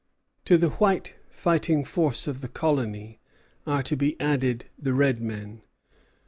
To the white fighting force of the colony are to be added the red men.